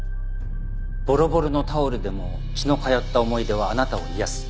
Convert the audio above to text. ボロボロのタオルでも血の通った思い出はあなたを癒やす。